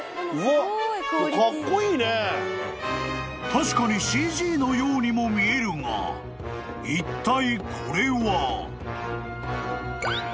［確かにＣＧのようにも見えるがいったいこれは？］